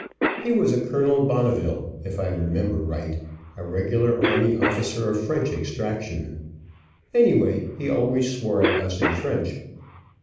He was a Colonel Bonneville, if I remember right, a regular army officer of French extraction. Anyway, he always swore at us in French.